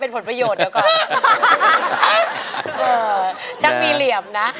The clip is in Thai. ร้องได้ให้ร้อง